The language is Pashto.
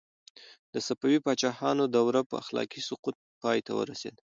د صفوي پاچاهانو دوره په اخلاقي سقوط پای ته ورسېده.